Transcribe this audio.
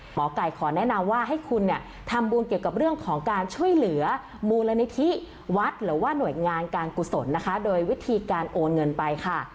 หมอไก่ขอแนะนำว่าให้คุณเนี่ยทำบุญเกี่ยวกับเรื่องของการช่วยเหลือมูลนิธิวัดหรือว่าหน่วยงานการกุศลนะคะโดยวิธีการโอนเงินไปค่ะ